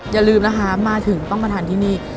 อย่าลืมนะคะมาถึงต้องมาทานที่นี่